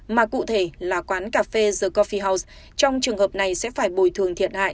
mà cụ thể là quán cà phê the cophie house trong trường hợp này sẽ phải bồi thường thiệt hại